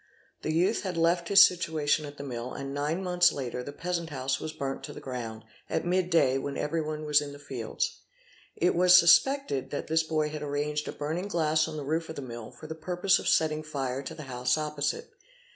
The youth had left his situation at the mill, and nine months later the peasant's house was burnt — to the ground at mid day when everyone was in the fields. It was suspec ted that this boy had arranged a burning glass on the roof of the mill for the purpose of setting fire to the house opposite.